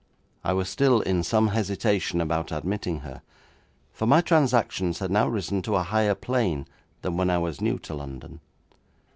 I was still in some hesitation about admitting her, for my transactions had now risen to a higher plane than when I was new to London.